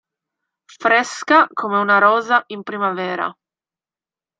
Fresca come una rosa in primavera.